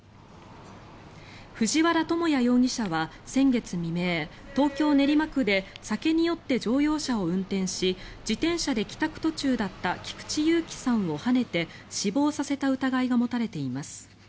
藤原友哉容疑者は先月未明東京・練馬区で酒に酔って乗用車を運転し自転車で帰宅途中だった菊地勇喜さんをはねて死亡させた疑いが持たれています。